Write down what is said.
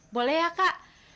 boleh ya kak